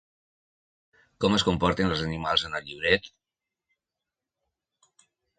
Com es comporten els animals en el llibret?